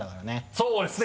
そうですね